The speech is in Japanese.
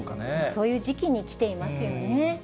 そういう時期にきていますよね。